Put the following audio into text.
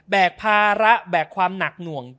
กภาระแบกความหนักหน่วง